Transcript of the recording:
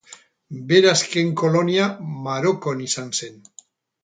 Bere azken kolonia Marokon izan zen.